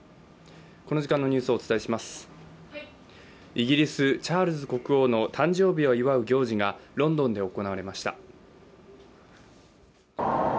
イギリス・チャールズ国王の誕生日を祝う行事がロンドンで行われました。